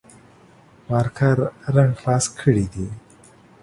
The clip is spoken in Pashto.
مارکر رنګ خلاص کړي دي